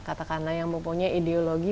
katakanlah yang mempunyai ideologi